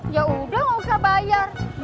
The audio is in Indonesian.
yaudah gak usah bayar